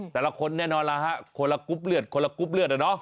แต่ละคนแน่นอนล่ะคนละกรุ๊ปเลือดใช่